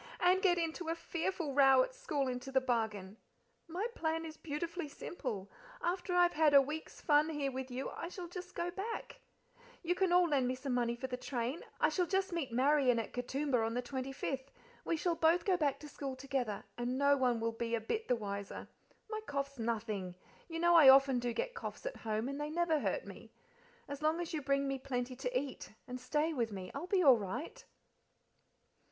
And get into a fearful row at school into the bargain. My plan is beautifully simple. After I've had a week's fun here with you I shall just go back you can all lend me some money for the train. I shall just meet Marian at Katoomba on the 25th; we shall both go back to school together, and no one will be a bit the wiser. My cough's nothing; you know I often do get coughs at home, and they never hurt me. As long as you bring me plenty to eat, and stay with me, I'll be all right."